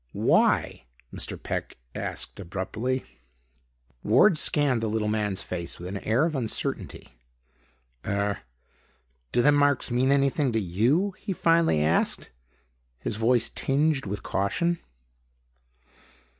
"Why?" Mr. Peck asked abruptly. Ward scanned the little man's face with an air of uncertainty. "Er do them marks mean anything to you?" he finally asked, his voice tinged with caution.